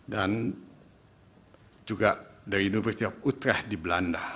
dan juga dari university of utrecht di belanda